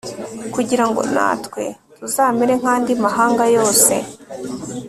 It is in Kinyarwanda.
kugira ngo natwe tuzamere nk'andi mahanga yose